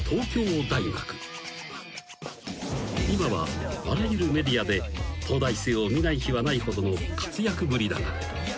［今はあらゆるメディアで東大生を見ない日はないほどの活躍ぶりだが］